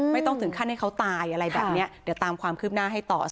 ไม่ต้องถึงขั้นให้เขาตายอะไรแบบนี้เดี๋ยวตามความคืบหน้าให้ต่อ